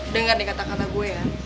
dengar nih kata kata gue ya